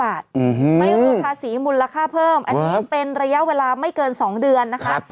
ไม่รู้ภาษีมูลค่าเพิ่มอันนี้เป็นระยะเวลาไม่เกิน๒เดือนนะคะ